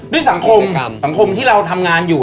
สังคมสังคมที่เราทำงานอยู่